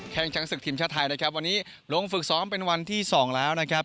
ช้างศึกทีมชาติไทยนะครับวันนี้ลงฝึกซ้อมเป็นวันที่๒แล้วนะครับ